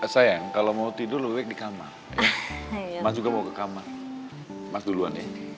sayang kalau mau tidur week di kamar mas juga mau ke kamar mas duluan ya